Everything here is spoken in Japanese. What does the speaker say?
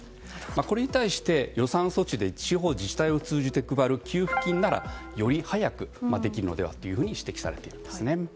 これに対して、予算措置で地方自治体を通じて配る給付金ならより早くできるのでは？と指摘されているんですね。